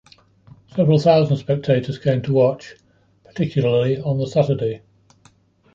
Several thousand spectators came to watch, particularly on the Saturday.